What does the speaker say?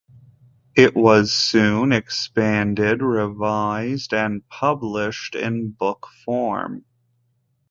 It was soon expanded, revised, and published in book form.